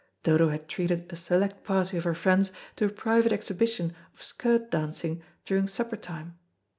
Dodo had treated a select party of her friends to a private exhibition of skirt dancing during supper time.